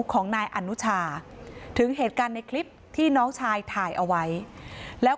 ของนายอนุชาถึงเหตุการณ์ในคลิปที่น้องชายถ่ายเอาไว้แล้ว